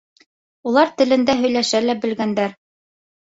Улар телендә һөйләшә лә белгәндәр.